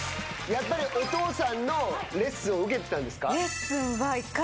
やっぱりお父さんのレッスンを受けてたんですか？